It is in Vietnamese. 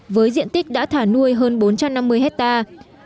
với diện tích đã thả nuôi hơn bốn trăm năm mươi hectare